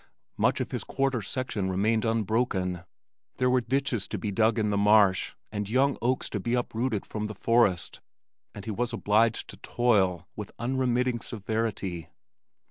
Much of his quarter section remained unbroken. There were ditches to be dug in the marsh and young oaks to be uprooted from the forest, and he was obliged to toil with unremitting severity.